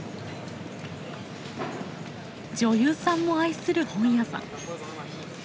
女優さんも愛する本屋さん。